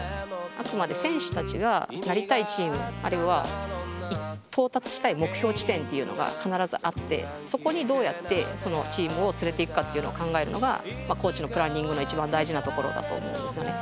あくまで選手たちがなりたいチームあるいは到達したい目標地点っていうのが必ずあってそこにどうやってチームを連れていくかっていうのを考えるのがコーチのプランニングのいちばん大事なところだと思うんですよね。